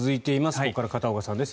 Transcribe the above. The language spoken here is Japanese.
ここから片岡さんです。